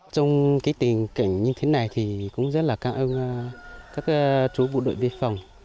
trong tình cảnh như thế này thì cũng rất là cảm ơn các chú bộ đội biên phòng